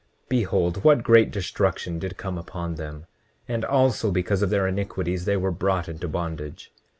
Behold what great destruction did come upon them; and also because of their iniquities they were brought into bondage.